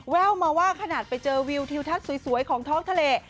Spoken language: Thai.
แววมาว่าขนาดไปเจอวิวทิวทัศน์สวยของท้องทะเล